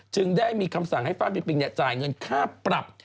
จึงได้มีคำสั่งให้ฟ่านปิงจ่ายเงินค่าปรับ